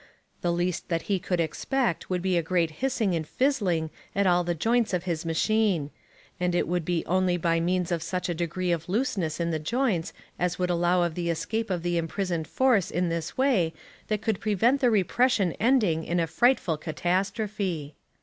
The least that he could expect would be a great hissing and fizzling at all the joints of his machine; and it would be only by means of such a degree of looseness in the joints as would allow of the escape of the imprisoned force in this way that could prevent the repression ending in a frightful catastrophe.